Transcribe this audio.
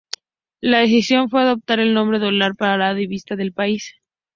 La decisión fue adoptar el nombre "dólar" para la divisa del país.